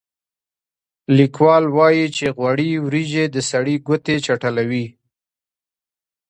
لیکوال وايي چې غوړې وریجې د سړي ګوتې چټلوي.